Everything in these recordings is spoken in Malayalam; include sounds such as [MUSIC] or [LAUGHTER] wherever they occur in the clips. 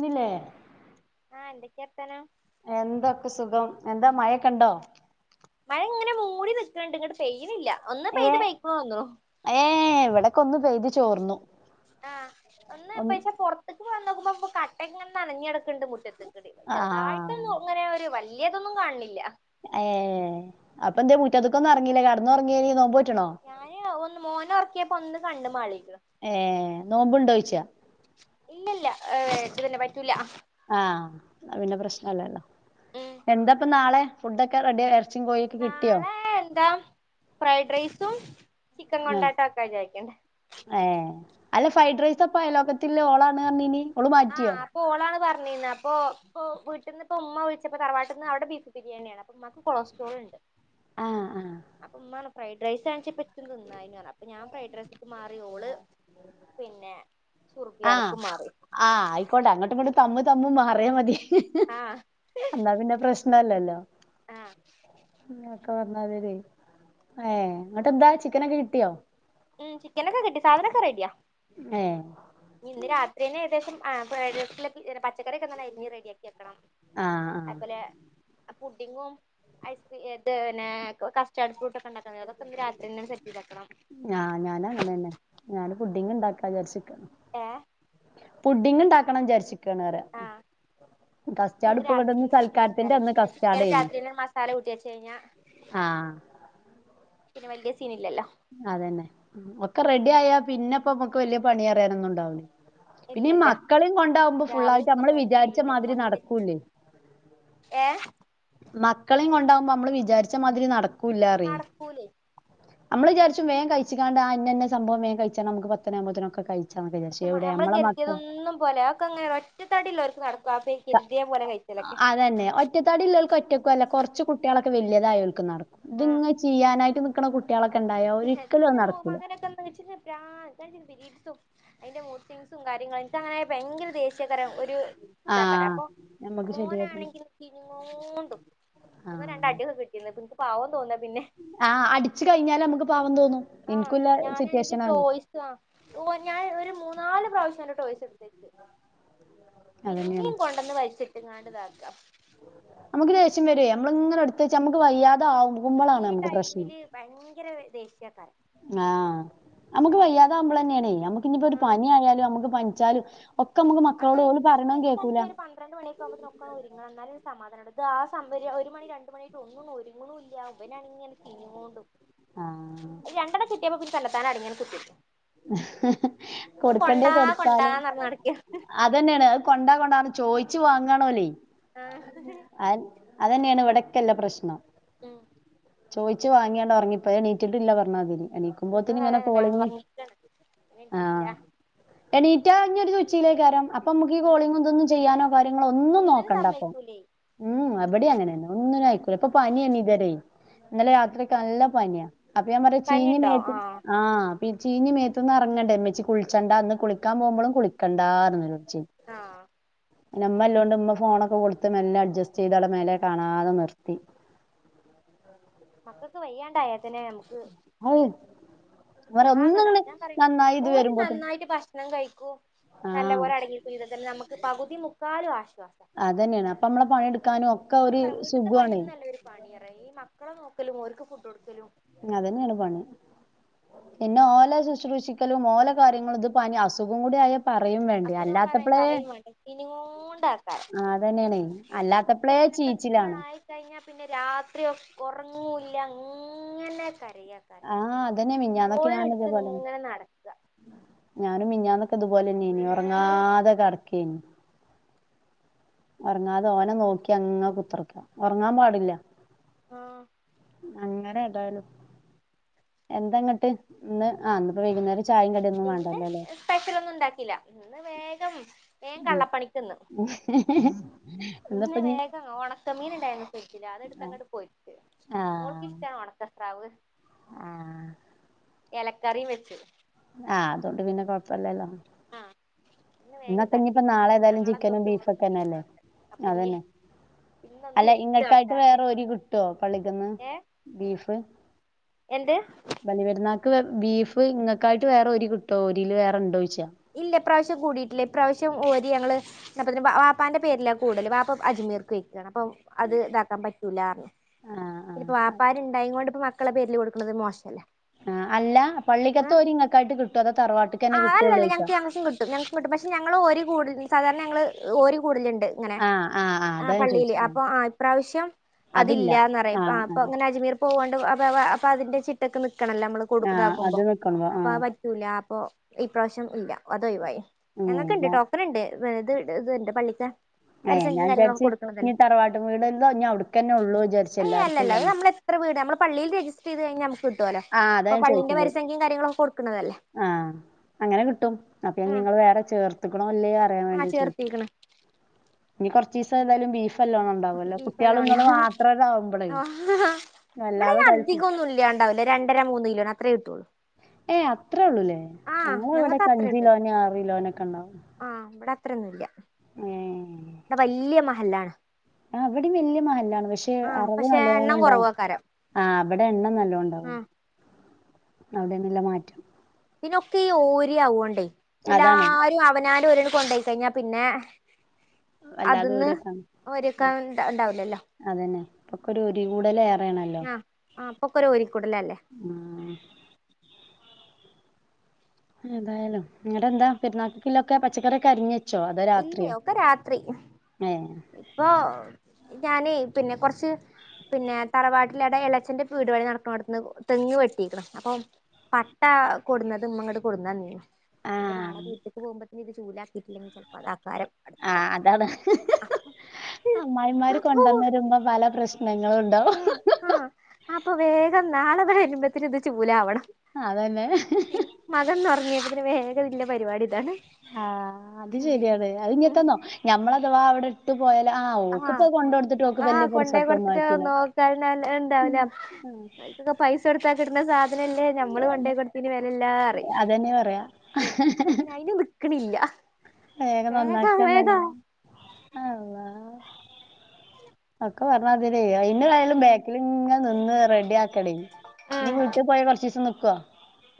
ഞ്ഞില്ലേ ആഹ് എന്തൊക്കെർത്താനം. എന്തൊക്കെ സുഖം എന്താ മഴൊക്കെണ്ടോ? മഴ ഇങ്ങനെ മൂടി നിൽക്കുന്നുണ്ട് ഇങ്ങോട്ട് പെയ്യില്ല ഒന്ന് ഏ പെയ്ത് പെയക്ക് തൊന്ന്ണു. ഏ ഇവിടക്ക ഒന്ന് പെയ്ത് ചോർന്നു. ആഹ് ഒന്ന് പ പാ പുറത്തേക്ക് വന്ന നോക്കുമ്പോ ഇ കട്ട ഇങ്ങനെ നനഞ്ഞെട്ക്ക്ണ്ട് മുറ്റത്ത്. ആഹ് ചെറുതായിട്ടൊന്നും അങ്ങനെ ഒരു വലിയതൊന്നും കാണണില്ല. ഏ അപ്പൊ എന്താ മുറ്റതക്കൊന്നും ഇറങ്ങീല്ലേ കടന്നു ഉറങ്ങിനു നോമ്പോ റ്റ്ണോ? ഞാന് ഒന്ന് മോന് ഉറക്കിയപ്പോ ഒന്ന് കണ് മാളി. ഏ നോമ്പുണ്ടോയിച്ചാ. ഇല്ല ഇ ഏ ഇത് തന്നെ പറ്റൂല. ആഹ പിന്നെ പ്രശ്നല്ലല്ലോ ഉം എന്താപ്പ നാളെ ഫുഡൊക്കെ റെഡി ആ എറച്ചും കോഴക്കൊ കിട്ടിയോ? നാളെ എന്താ ഫ്രൈഡ് റൈസും ചിക്കൻ ആഹ് കൊണ്ടാട്ടം ഒക്കെ ചാക്കണ ഏ അല്ല ഫ്രൈഡ് റൈസ്പ്പ ആയ ലോക്കത്തിള ഓളാണ് പറഞ്ഞനി ഓള് മാറ്റിയോ? ഒളാണ് പറഞ്ഞിരുന്നത് അപ്പൊ ഇ വീട്ട നിന്ന് ഇപ്പ ഉമ്മ വിളിച്ചപ്പോ തറവാട്ടിൽ നിന്ന് അവിടെ വിരുന്ന് ബിരിയാണിയാണ് അപ്പൊ നമുക്ക് കൊളസ്ട്രോൾ ഉണ്ട് ആഹ ആഹ് ഇമ്മപറഞ് ഫ്രൈഡ്റൈസ് കാണിച്ചാ പ എനിക്കും. തിന്നാ പറ അപ്പൊ ഞാ ഫ്രൈഡ്റൈസ ഒക്ക് മാറി ഓള് പിന്നെ ആഹ് സുർഗിയാനിക്ക് മാറി. ആഹ് ആയിക്കോട്ടെ അങ്ങോട്ടും ഇങ്ങോട്ടും തമ്മു തമ്മ് മാറിയ മതി. ആഹ് എന്നാ പിന്നെ പ്രശ്നം പ്രശ്നല്ലല്ലോ ആഹ് [UNINTELLIGIBLE] ഏഹ് ഇന്നട്ട് എന്താ ചിക്കനൊക്കെ കിട്ടിയോ? ഉം ചിക്കനൊക്കെ കിട്ടി സാധനൊക്കെ റെഡിയാ ഏഹ് ഇന്ന് രാത്രിയെന്നെ ഏകദേശം ആഹ് [UNINTELLIGIBLE] [UNINTELLIGIBLE] പച്ചക്കറിയൊക്കെ ഇങ്ങനെ അരിഞ്ഞ് റെഡിയാക്കി വെക്കണം ആഹ് ആഹ് അതുപോലെ പുഡിങ്ങും ഐസ് ഇത് പിന്നെ കസ്റ്റാഡ് ഫ്രൂട്ടൊക്കെ ക്കണ്ടാക്കുന്നത് അതൊക്കെ ഇന്ന് രാത്രിയെന്നെ സെറ്റ് ചെയ്ത് വെക്കണം ആഹ് ഞാനും അങ്ങനെ തന്നെ ഞാന് പുഡിങ് ഇണ്ടാക്കാ വിചാരിച്ച്ക്കാണ് ഏഹ് പുഡിങ് ഇണ്ടാക്കണം വിചാരിച്ച്ക്കാണ് പറയാ ആഹ് കസ്റ്റാഡ് ഇന്ന് ഇപ്പൊ ഇവിടെന്ന് രാത്രിന്നെ സെറ്റ് ചെയ്ത് സൽക്കാരത്തിന്റെ വെച്ചാലേ അന്ന് പിന്നെ ചിക്കൻ കസ്റ്റാഡേന് രാത്രിന്നെ മസാല കൂട്ടി വെച്ച് കഴിഞ്ഞാ ആഹ് പിന്നെ വല്യ സീനില്ലല്ലോ അതെന്നെ ഒക്കെ റെഡി ആയാ പിന്നെപ്പ നമ്മക്ക് വല്യ പണി അറിയാനൊന്നും ഇണ്ടാവില്ല പിന്നെ ഈ ഇല്ലല്ല മക്കളേം കൊണ്ടാകുമ്പോ രാവിലെ ഫുള്ളായിട്ട് നമ്മള് ഒക്കപ്പാടെ വിചാരിച്ച കഴിയൂല മാതിരി മോനേം വെച്ച് നടക്കൂല്ലേ ഏഹ് മക്കളെയും കൊണ്ടാകുമ്പോ നമ്മള് വിചാരിച്ച മാതിരി നടക്കൂല്ലറയ് ക്കൂലേ നമ്മള് വിചരിച്ചും വേം കയിച്ചിങ്ങാണ്ട് ആഹ് ഇന്ന ഇന്ന സംഭവം വേം കഴിച്ചാ നമ്മക്ക് പത്തണിയാകുമ്പത്തിന് ഒക്കെ കയി പക്ഷെ മ നമ്മള് കരുതിയതൊന്നും പോലാ ഒക്കെങ്ങനെ ഒറ്റത്തടിള്ള ഓൽക്ക് നടക്കും ആ കെരുതിയ പോലെ കയിച്ചിലൊക്കെ അതന്നെ ഒറ്റ് ഒറ്റത്തടി ഇള്ളോൽക്ക് ഒറ്റയ്ക്കും അല്ല കൊറച്ച് കുട്ടിയാളൊക്കെ വല്യതായോൽക്കും നടക്കും ആഹ് ഇതിങ്ങ് ചെയ്യാനായിട്ട് നിക്ക് നടക്കണ കുട്ടിയാളെക്കെ ഇണ്ടായാ ഒരിക്കലും അത് നടക്കൂല ഷ്യന് പ്രാ പിരീഡ്സും അതിന്റെ മൂഡ് സ്വിംങ്സും കാര്യങ്ങളും എനിക്ക് അങ്ങനെ ആയാ ഭയങ്കര ദേഷ് [UNINTELLIGIBLE] ഒരു ആ ഇതാക്കാര അപ്പൊ നമുക്ക് ശരിയാക്കണം മോനാണെങ്കിൽ ചീഞ്ഞ്ങ്ങോണ്ടും ആ രണ്ട് അടിയൊക്കെ കിട്ടി ഇന്നട്ട് എനക്ക് പാവം തോന്നാ പിന്നെ ആഹ് അടിച്ചു കഴിഞ്ഞാല് നമ്മക്ക് പാവം തോനും ആഹ് ഞാനാണെങ്കി ടോയി ആഹ് ഓ ഞാൻ ഒരു മൂന്നാല് പ്രാവശ്യം ഓന്റെ ടോയ്സ് എടുത്തെച്ച് അതന്നെയാണ് പിന്നെയും കൊണ്ടന്ന് വലിച്ചിട്ട്ങ്ങാണ്ട്താക്കാ അപ് നമ്മക്ക് ദേഷ്യം വരുവേ നമ്മള് ഇങ്ങനെ എടുത്ത് വച്ച് നമ്മക്ക് വയ്യാതെ ആകുമ്പളാണ് ഈ നമ്മക്ക് പ്രശ്നം ടൈമില് ഭയങ്കര ദേഷ്യക്കാരം ആഹ് നമ്മക്ക് വയ്യാതെ ആവുമ്പളെന്നെയാണേ നമ്മക്ക് ഇനിയിപ്പോ ഒരു ആഹ് പനി ആയാലും നമ്മക്ക് പനിച്ചാൽ ഒക്കെ നമ്മക്ക് അത് മക്കളോട് ഓലു നമുക്ക് പറയണതും എനിക്കാണെങ്കി കേക്കൂലാ ഒരു പന്ത്രണ്ട് മണിയെക്കുമ്പോത്തിന് ഒക്കെ ഒരുങ്ങണം എന്നാലെ സമാധാനാ ഇത് ആ [UNINTELLIGIBLE] ഒരു മണി രണ്ട് മണിയായിട്ട് ഒന്നും അങ്ങ് ഒരുങ്ങണു ഇല്ലാ ഇവനാണിങ്ങനെ ചിഞ്ഞ്ങ്ങോണ്ടും ആഹ് അത് രണ്ടണ്ണം കിട്ടിയപ്പോ പിന്നെ തന്നെത്താനെ അടങ്ങി അങ്ങ് കുത്തിരുന്ന് [INAUDIBLE] അത് കൊണ്ടാ കൊണ്ടാന്ന് പറഞ്ഞ് നടക്കും അത് തന്നെയാണ് അത് കൊണ്ടാ കൊണ്ടാർഞ്ഞ് ചോയിച്ചു വാങ്ങാണ് ഓലെ ആഹ് അ അതന്നെയാണ് ഇവിടക്കെല്ല പ്രശ്നം ഉം ചോയിച്ച്‌വാങ്ങിയാണ്ട് ഒറങ്ങിപ്പോ എണീറ്റിട്ടില്ല പറഞ്ഞാതിനി ഇത് എണീക്കുമ്പോത്തിന് അതെ ഇങ്ങനെ തന്നെ കോളിങ്ങ് ഉറങ്ങിക്കാണ് പിന്നെ എണീറ്റിട്ടില്ല ആഹ്‌ എണീറ്റ ഇഞ്ഞ് ഒരു തുച്ചിയിലേക്കാരം അപ്പോ നമുക്കി ഉം കോളിങ് ഇതൊന്നും ചെയ്യാനോ കാര്യങ്ങളോ ഒന്നും ഒന്നിനും നോക്കണ്ട അപ്പൊ സമ്മതിക്കൂലേ ഉം ഇപടിഅങ്ങനെയന്ന ഒന്നിനും ആയിക്കൂല ഇപ്പൊ പനി അണ് ഇതുവരെ ഇന്നലെ രാത്രിക്കെ നല്ല പനിയാ അപ്പൊ ഞാൻ പറഞ്ഞു ചീഞ് പനിയുണ്ടോ മേത് ആഹ് ആ പി ചീഞ് മേത്‌ന്ന് ഇറങ്ങണ്ടേ ഇമ്മച്ചി കുളിച്ചണ്ട ഇന്ന് കുളിക്കാൻ പോകുമ്പോളും കുളിക്കണ്ടന്ന് ച്ചിൻ ആഹ് പിന്നെ ഇമ്മ ഇല്ലാണ്ട് ഇമ്മ ഫോൺ ഒക്കെ കൊടുത്ത് മെല്ലാ അഡ്ജസ്റ്റ് ചെയ്ത്‌ മോലെ കാണാതെ നിർത്തി മക്കൾക്ക് വയ്യാണ്ടായാൽ തന്നെ നമുക്ക് അയ് വെറെ ഒന്ന് ആകെ ഇതാണ് ഇങ്ങട് ഞാൻ പറയും നന്നായി ഇത് ഓര് വരുമ്പോത്ത്ന് നന്നായിട്ട് ഭക്ഷണം കഴിക്കൂ നല്ലപോലെ അടങ്ങി ചെയ്താൽ തന്നെ നമുക്ക് പകുതി മുക്കാലും ആശ്വാസം അതന്നാണ് അപ്പൊ നമ്മളെ പണിയെടുക്കാനും ഒക്കെ ഒരു വീട്ട്ത്തെ സുഖുആണേ പണിയൊന്നും അല്ല ഒരു പണിയറ ഈ മക്കളെ നോക്കലും ഒര്ക്ക് ഫുഡ് കൊടുക്കലും അതന്നെ എണ്പണി പിന്നെ ഓല ശുശ്രൂഷിക്കലും ഓല കാര്യങ്ങളും ഇത് പനിഅസുഖംകൂടിയായാൽ പറയും വേണ്ടേ അസുഖം പറ അല്ലാത്തപ്പളെ പറയും വേണ്ട ക്ഷീണിങ്ങോണ്ടാക്കാരം ആ അതന്നെയാണ് അല്ലാത്തപ്പളെ ചീച്ചിലാണ് കഴിഞ്ഞാൽ പിന്നെ രാത്രി ഉറങ്ങുല്ല ഇങ്ങനെ കരയാ ആ അതന്നെ മിഞ്ഞാന്നൊക്കെ ഞാൻ തോള്എടുത്ത് ഇതേപോലെ ഇങ്ങനെ നടക്ക ഞാനും മിഞ്ഞാന്നൊക്കെ ഇതുപോലെന്നെയ്നു ഒറങ്ങാതെ കടക്കയ്ന്നു ഒറങ്ങാതെ ഓനെ നോക്കി അങ്ങനെ കുത്തിർക്ക ഒറങ്ങാൻ പാടില്ല ആഹ്‌ അങ്ങനെ ഏതായാലും എന്ത ഇന്നിട്ട് ഇന്ന് ഇന്നിപ്പോ വൈകുന്നേരം ചായേം കടിയൊന്നും ഇന്ന് വേണ്ടല്ലോ ല്ലേ സ്പെഷ്യല് ഒന്നും ഉണ്ടാക്കില്ല ഇന്ന് വേഗം ഏൻ ഉം കള്ളപ്പണിക് നിന്ന് [UNINTELLIGIBLE] ഇന്നിപ്പഞ്ഞി ഇന്ന്‌വേഗം ഒണക്കമീൻ ഇണ്ടായിരുന്നു ഫ്രിജിൽഅതെടുത്ത് അങ്ങട്ട് പൊരിച്ചു മോൾക്ക് ഇഷ്ട ആണ് ഉണക്ക സ്രാവ് ആഹ്‌ എലക്കറിം വെച്ചു ആഹ്‌ അതോണ്ട് പിന്നെ കൊഴപ്പ ഇല്ലല്ലോ ആഹ് ഇന്ന് വേഗം നാളെ ഏതായാലും തട്ടിക്കൂട്ട്നാളെ ചിക്കനും തൊട്ട് വെറും ബീഫൊക്കെന്നല്ലേ അപ്പൊ ഇഞ്ഞ് അതന്നെ അല്ല ഇങ്ങൾക്കായിട്ട് വേറെ ഞമ്മൾ ഓരീ കിട്ടുവോ പള്ളിക്കന്ന് ഏ ബീഫ് എന്ത് വലിയ പെരുന്നാക്ക് ബീഫ് ഇങ്ങക്കായിട്ട് വേറെ ഒരി കിട്ടോ ഒരില് വേറണ്ടോ ചോയ്ച്ച ഇല്ല ഇ പ്രാവശ്യം കൂടിയിട്ടില്ല ഇ പ്രാവശ്യം ഓരി ഞങ്ങള് ഇന്നപ്പം വാപ്പാന്റെ പേരിലാ കൂടല് വാപ്പ അജ്മീർക്ക് വെയ്ക്കണ് അപ്പൊ അത് ഇതാക്കാൻ പറ്റൂല്ലാന്ന് പറഞ്ഞു ആഹ് ഇനിപ്പം ആഹ് വാപ്പാര് ഇണ്ടായ കൊണ്ട് ഇപ്പോ മക്കളെ പേരില് കൊടുക്കണത് മോശല്ലേ ആഹ് അല്ല പള്ളിക്കത്ത് ഒരി ങ്ങക്കായിട്ട് കിട്ടുവോ അത് തറവാട്ട് ആഹ് അല്ലല്ല ഞങ്ങക്ക് ഞങ്ങക്കും കിട്ടും ഞങ്ങക്കും കിട്ടും പക്ഷെ ഞങ്ങള് ഓര് കൂടുതല് സാധാരണ ഞങ്ങള് ഓരി കൂടലുണ്ട് ആഹ് ആഹ് അതാ ആഹ് ഞാൻ പള്ളിയില് ചോയ്ച്ചെ ആഹ് അപ്പൊ ഇപ്രാവശ്യം അതില്ല അതില്ലാന്ന് പറയും ആഹ് അപ്പൊ ആഹ് അങ്ങനെ അജ്മീർ പോകോണ്ട് അ അപ്പൊ അതിന്റെ ചിട്ടക്ക് നിക്കണല്ലേ നമ്മള് കൊടു ആഹ് ഇതാക്കുമ്പോ അത് നിക്കണതോ ആഹ് അപ്പം കിട്ടൂല അപ്പൊ ഈപ്രാവശ്യം ഇല്ല അതൊഴിവായി ഏഹ് ഞങ്ങൾക്കുണ്ട് ന കേട്ടോ ഇതുണ്ട് ഇത് ഉണ്ട് ഇത് പള്ളിക്കാ ഏഹ് ഞാൻ വിചാരിച്ച് ഇനി തറവാട്ട് വീടെല്ലോ ഇനി അവിടക്കന്നെ ഉള്ളൂ വിചാരിച്ച് ഏയ് എല്ലാർക്കും അല്ലല്ല ഇല്ല അത് നമ്മള് എത്ര വീട് നമ്മള് പള്ളിയിൽ രജിസ്റ്റർ കഴിഞ്ഞാൽ നമുക്ക് കിട്ടു അല്ലോ ആഹ് അതാ അപ്പം ഞാൻ പള്ളിന്റെ ചോയ്ച്ചത് വരിസംഖ്യയും കാര്യങ്ങളൊക്ക കൊടുക്കുന്നതല്ലേ ആഹ് അങ്ങനെ കിട്ടും അപ്പം ഇനി ആ നിങ്ങള് വേറെ ചേർത്തുക്ക്ണോ ഇല്ലയോ അറിയാൻ ആ വേണ്ടി ചോദി ചേർത്തിക്കണ് ഇനി കുറച്ച് ദിവസം ഏതാലും ബീഫ് നല്ലോണം ഇണ്ടാവല്ലോ ബീഫ് നല്ലോ കുട്ട്യാള് ഇങ്ങള് ഉണ്ടാവും മാത്രാണ്ടാവുമ്പളേ ആഹ് ഇവിടെ വല്ലാതെ കഴി അധികം ഒന്നും ഇല്ലാണ്ടാവില്ല രണ്ടര മൂന്ന് കിലോന് അത്രേ കിട്ടുള്ളൂ ഏയ് അത്രേ ഉള്ളൂല്ലേ ആഹ് ഞങ്ങള് ഞങ്ങക്ക് ഇവിടൊക്ക അഞ്ച് അത്രണ്ട് കിലോന് ആറ് കിലോനൊക്കെ ഉണ്ടാവും ആഹ് ഇവിടെ അത്രൊയൊന്നും ഇല്ല ഉം ഇവിടെ വല്യ മഹല്ലാണ് ആഹ് ഇവിടെയും വല്യ മഹല്ലാണ് പക്ഷെ ആഹ് അറവ് പക്ഷെ നല്ലോണ്ണം എണ്ണം ഉണ്ടാവും കുറവാക്കാരം ആഹ് അവിടെ എണ്ണം നല്ലോ ഉണ്ടാവും ആഹ് അവിടെ നല്ല മാറ്റം പിന്നൊക്കെ ഈ ഓരിയാവോണ്ടേ അതാണ് എല്ലാരും അവനാരും ഒരിക്കൊണ്ടേ കഴിഞ്ഞാ പിന്നെ വല്ലാതെ അതിന്ന് ഊരൊക്കാണ് ഓരി വെക്കാൻ ഉണ്ടാവില്ലല്ലോ അതന്നെ ഇപ്പൊക്കെ ഒരു ഓരി കൂടല് ഏറെയാണല്ലോ ആഹ് ആഹ് ഇപ്പൊക്കൊരു ഓരിക്കൂടല് അല്ലേ ആഹ് എതായാലും ഇങ്ങട് എന്താ പെരുന്നാൾക്കുള്ള ഒക്കെ പച്ചക്കറിയൊക്കെ അരിഞ്ഞെ ഇല്ലേ ഒക്കെ രാത്രി ഏഹ് ഇപ്പൊ ഞാനെ പിന്നെ കൊറച്ച് പിന്നെ തറവാട്ടില് എടെ എളയച്ചന്റെ വീട്പണി നടക്കുവാ അട്ന്ന് തെങ്ങ് വെട്ടീക്ക്ണ് അപ്പം പട്ട കൊടുന്നത് ഉമ്മ ഇങ്ങോട്ട് കൊടുന്നന്നീനി ഇപ്പൊ നാളെ ആഹ് വീട്ടിക്ക് പോകുമ്പോത്തേന് ഇത് ചൂലാക്കിയിട്ടില്ലെങ്കിൽ ചിലപ്പോ അത് ആക്കാരം ആഹ് അതാണ് അമ്മായിമാര് അപ്പൊ കൊണ്ടന്ന് തരുമ്പം പല പ്രശ്ന ണങ്ങളും ഉണ്ടാവും ആഹ് ആഹ് അപ്പൊ വേഗം നാളെ ഇവര് വരുമ്പോത്തേന് ഇത് ചൂലാവണം അതന്നെ മകൻ ഇന്ന് ഉറങ്ങിയതിന് പിന്നെ വേഗം ഇന്റെ പരിപാടി ഇതാണ് ആഹ് അത് ശരിയാണ് അത് ഇങ്ങത്തന്നോ ഞമ്മള് അഥവാ അവിടെ ട്ട് പോയാല് ആഹ് ഓക്ക് ഇപ്പം കൊണ്ട് കൊടുത്തിട്ട് ഓക്ക് ആഹ് വല്യ കൊണ്ടോയി [UNINTELLIGIBLE] കൊടുത്തിട്ട് ആയിട്ടില്ല ആഹ് ഇതൊക്കെ പൈസ കൊടുത്താ കിട്ട്ണ സാ നല്ലേ നമ്മള് കൊണ്ടോയി കൊട് തയ്ന് വില ഇല്ലാ പറയും അതന്നെ പറയാ ഉം അപ്പൊ പിന്നെ അയ്നും കുറ്റം നിക്ക്ണില്ല വേഗം നന്നാക്ക എന്നല്ലാതെ അള്ളാ ഒക്കെ പറഞ്ഞ മാതിരി പിന്നെ ഏതായാലും ഉം ബേക്കില് ഇങ്ങനെ നിന്ന് റെഡി ആക്കടേ ഇനി ഉം വീട്ടിൽ പോയാ കുറച്ച് ദിവസം നിക്കുവോ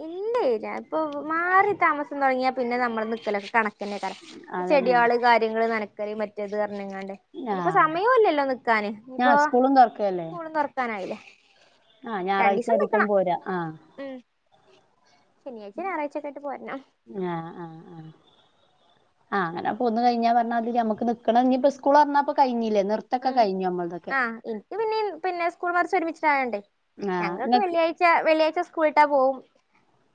ഇല്ല ഞാന് ഇപ്പൊ മാറി താമസം തുടങ്ങിയാൽ പിന്നെ നമ്മുടെ നിക്കലൊക്കെ കണ ക്കന്നെയ്ക്കാരം അതന്നെയാണ് ചെടികള് കാര്യങ്ങള് നനക്കല് മറ്റേത് പറഞ്ഞങ്ങാണ്ട് ഇനിപ്പം ആഹ് സമയും ഇല്ലല്ലോ നിക്കാന് ഞാൻ ഇനിപ്പോ സ്കൂളും തൊറക്കല്ലേ സ്കൂളും തുറക്കാനായില്ലേ ആഹ് ഞായറാഴ്ച രണ്ടീസം ആയിരിക്കും നിക്കണം പോരാ ആഹ് ഉം ശനിയാഴ്ച ഞായറാഴ്ച ഒക്കെ ആയിട്ട് പോരണം ആഹ് ആഹ് ആഹ് ആഹ് അങ്ങനെ ഇപ്പൊന്ന് കയിഞ്ഞ പറഞ്ഞാ അത് നമുക്ക് നിക്കണം ഇനിയിപ്പോ സ്കൂൾ തുറന്നാ ഇപ്പൊ കഴിഞ്ഞില്ലേ നിർ ഉം ആഹ് എനിക്ക് പിന്നെ പിന്നെ സ്കൂൾ മദ്രസ് ഒരുമിച്ചായൊണ്ടേ ആഹ് ഞങ്ങൾക്ക് ഇങ്ങക്ക് വെള്ളിയാഴ് ച്ച വെള്ളിയാഴ്ച്ച സ്കൂളിട്ടാ പോവും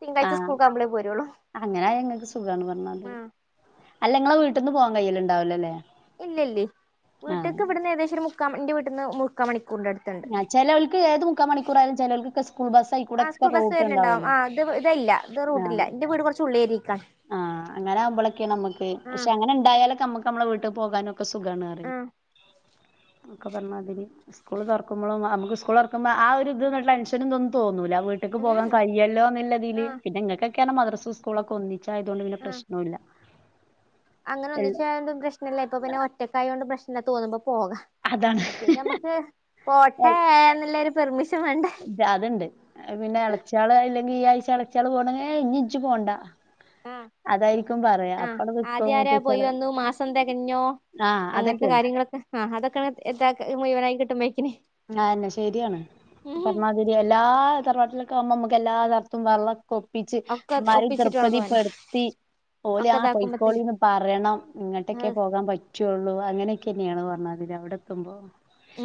തിങ്കളാഴ്ച ആഹ് സ്കൂൾക്കാവുമ്പളേ പോരുള്ളൂ അങ്ങനായാ ഇങ്ങക്ക് സുഖാണ് പറഞ്ഞമാതിരി ആഹ് അല്ല ഇങ്ങളെ വീട്ട്ന്ന് പോവാൻ കയ്യിലുണ്ടാവില്ലല്ലേ ഇല്ലില്ലേ വീട്ട്ക്ക് ഇവിടുന്ന് ഏകദേശം ഒരു മുക്കാമ എന്റെ വീട്ടിന്ന് മുക്കാ മണിക്കൂർണ്ട് ആഹ് ചിലവൾക്ക് ഏത് മുക്കാ മണിക്കൂറയാലും ചിലവൾക്കൊക്കെ സ്കൂൾ ബസ് ആയി ആ കൂടെ ഒക്കെ സ്കൂൾ ബസ് വരലുണ്ടാവും റോട്ടുണ്ടാവുവല്ലോ ആ ഇത് ഇതല്ല ഇത് റൂട്ടില്ല ഇന്റെ വീട് കുറച്ച് ഉള്ളേരിക്കാണ് ആഹ് അങ്ങനെ ആകുമ്പളോക്കെ നമുക്ക് ആ പക്ഷേ അങ്ങനെ ഉണ്ടായാലൊക്കെ നമുക്ക് നമ്മളെ വീട്ടിൽ പോകാനും ഒക്കെ സുഖമാണറി ആ ഒക്കെ പറഞ്ഞാതിരി സ്കൂൾ തുറക്കുമ്പോളും നമുക്ക്‌ സ്കൂൾ തുറക്കുമ്പോ ആഹ് ഒരു ഇതുള്ള ടെൻഷനും ഇതൊന്നും തോന്നുല്ല വീ ട്ട്ക്ക്‌ പോവാൻ ഉം കഴിയല്ലോ ആ എന്നല്ലതില് പിന്നെങ്ങക്കെക്കെയാണ് മദ്രസോ സ്കൂളോക്കെ ഒന്നി ച്ചായതൊണ്ട് പിന്നെ ആ പ്രശ്നോല്ല അങ്ങനെ ഒന്നിച്ചയൊണ്ട് പ്രശനോല്ല ഇപ്പൊ പിന്നെ ഒറ്റക്കായൊണ്ട് പ്രശ്നോ തോന്നുമ്പോ പോകാം അതാണ് മറ്റേത് നമുക്ക് പോട്ടെ എന്നുള്ളരു പെർമിഷൻ വേണ്ടേ അതുണ്ട് പിന്നെ ഇളച്ചയാള് ഇല്ലെങ്കിൽ ഈ ആഴ്ച ഇളച്ചയാള് പോകണെങ്കിൽ ഏയ് ഇനി ജ്ജ് പോണ്ട ആഹ് അതായിരിക്കും പറയാ ആഹ് അപ്പടെ നിക്കും ആദ്യ ആരാ പോയി മൂത്തച്ചികള് വന്നു മാസം തികഞ്ഞോ ആഹ് അങ്ങനത്തെ അതൊക്കെയാണ് കാര്യങ്ങളൊക്കെ ആഹ് അതൊക്കെയാണ് ഇതക്കി മുഴുവനായി കിട്ടുമ്പോഴേക്കിന് ആതന്നെ ശരിയാണ് ഉം പറമ തിരി എല്ലാ തറവാട്ടിലവുമ്പോ നമ്മുക്ക്‌ എല്ലാ തർത്തും വെള്ളക്കും പ്പിച്ച് ഒക്കെ ഇ മാറി ഒപ്പിച്ചിട്ട് വേണം പോവാന് ദൃപതിപ്പെടുത്തി ഓല് ഒക്കെ ആഹ് ഇതാക്കുമ്പത്തിന് പൊയ്ക്കോളിന്ന് പറയണം ഇങ്ങോട്ടൊക്കെ പോകാൻ പ റ്റുള്ളൂ അങ്ങനെയൊക്കെ തന്നെയാണ് പറഞ്ഞാതിരി അവിടെ എത്തുമ്പോ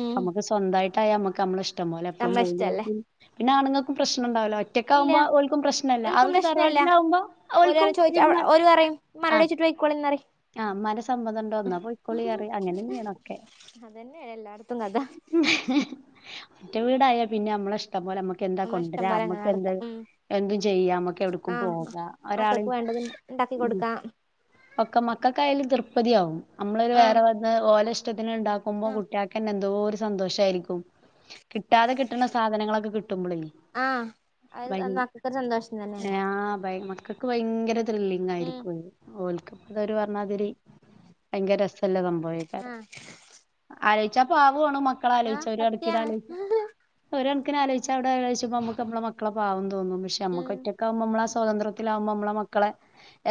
ഉം അത് സ്വന്തയിട്ട് ആയാ നമ്മക്ക് നമ്മള ഇഷ്ടം പോല എപ്പളും നമ്മളെ പോവേം ചെയ്യാ ഇഷ്ടല്ലേ പിന്നെ ആണുങ്ങൾക്കും പ്രശ്നോണ്ടാവുല്ല ഒറ്റയ്ക്ക്‌ ഇല്ല ആവുമ്പോ ഒൾക്കും പ്രശ്നവില്ല ഓൽക്കും അവിടെ പ്രശ്നല്ല തറവാട്ടിലാവുമ്പോ ഓൾക്കും ഇമാ ഇമ്മാനോട് ചോയിച്ചിട്ട് പൊക്കൊളിന്ന് പറയും ആഹ് ഉമ്മാന്റെ സമ്മതുണ്ടോ എന്ന പൊക്കൊളി പറയും അങ്ങനെന്നെയണ് ഒക്കെ അതെന്നെ എല്ലാടുത്തും കഥ [UNINTELLIGIBLE] മറ്റേ വീടായാ പിന്നെ നമ്മള ഇഷ്ടം പോലെ നമ്മക്ക് എന്താ നമ്മ ഇഷ്ടം കൊണ്ടുരം പോലെ അങ്ങനെ നമ്മക്ക് എന്താ നടക്കാം ഉം എന്തും ചെയ്യാ നമക്ക്‌ എവിടക്കും ആഹ് പോക ഒരാൾ മക്കൾക്ക് വേണ്ടത് ഉണ്ടാക്കി ഉം കൊടുക്കാം ഒക്കെ മക്കക്കായലും തൃപതിയാകും നമ്മളൊരു ആഹ് വേറെ വന്ന് ഓലാ ഇഷ്ടത്തിന് ഉണ്ടാക്കുമ്പോ ആഹ് കുട്ടിയ ക്കന്നെ എന്തോരു സന്തോഷായിരിക്കും കിട്ടാതെ കിട്ടണ സാധനങ്ങളൊക്കെ കിട്ടുമ്പോളെ ആഹ് ഭൈ അത് മക്കക്കൊരു സന്തോഷം തന്നെയല്ലേ ആഹ് ഭൈ മക്ക ക്ക് ഭയങ്കര ത്രില്ലിങ് ഉം ആയിരിക്കും അത് ഓൽക്കതൊരു പറഞ്ഞാതിരി ഭയങ്കര രസല്ല സംഭവയി ആഹ് ആലോയിച്ച പാവണ് മക്കള ആലോയിച്ച ആഹ് ഒരു കാണക്കിന് സത്യാണ് ആലോയിച്ച ഒരു കണക്കിന് ആലോയിച്ച അവിടെ ആലോയിച്ചപ്പോ നമ്മുക്ക് നമ്മള മക്കള പാവം തോന്നും പക്ഷെ നമ്മക്ക് ഉം ഒറ്റക്കകുമ്പ നമ്മള സ്വാതന്ത്രത്തിലാവുമ്പോ നമ്മളെ മക്കളെ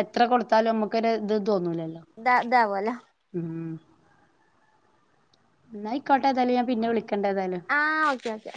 എത്ര കൊടുത്താലും നമ്മുക്കൊരു ഇത് തോന്നൂലല്ലോ താ ഇതാവോല്ല ഉം എന്നായിക്കോട്ടെ ഏതായാലും ഞാൻ പിന്നെ വിളിക്കണ്ട് ഏതായാലും ആഹ് ഓക്കെ ഓക്കെ